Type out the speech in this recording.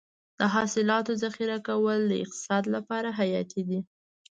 د حاصلاتو ذخیره کول د اقتصاد لپاره حیاتي دي.